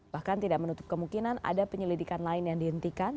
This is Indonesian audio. bahkan tidak menutup kemungkinan ada penyelidikan lain yang dihentikan